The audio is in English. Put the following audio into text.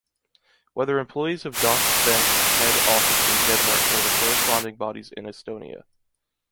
Whether employees of Danske Bank’s head office in Denmark or the corresponding bodies in Estonia?